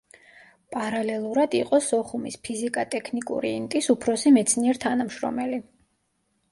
პარალელურად იყო სოხუმის ფიზიკა-ტექნიკური ინტის უფროსი მეცნიერ თანამშრომელი.